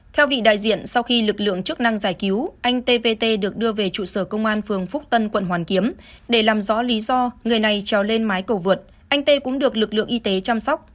theo vị đại diện sau khi lực lượng chức năng giải cứu anh tvt được đưa về trụ sở công an phường phúc tân quận hoàn kiếm để làm rõ lý do người này trèo lên mái cầu vượt anh tê cũng được lực lượng y tế chăm sóc